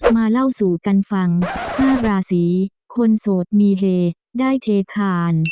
มาเล่าสู่กันฟัง๕ราศีคนโสดมีเฮได้เทคาน